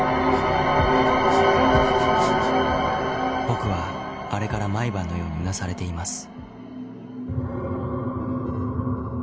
［僕はあれから毎晩のようにうなされています］